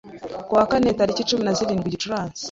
kuwa Kane tariki cumi nazirindwi Gicurasi